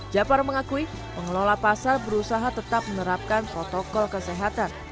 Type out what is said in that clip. jafar mengakui pengelola pasar berusaha tetap menerapkan protokol kesehatan